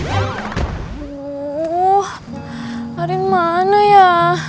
aduh arin mana ya